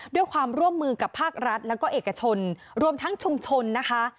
ด้วยความร่วมมือกับภาครัฐแล้วก็เอกชนรวมทั้งชุมชนนะคะ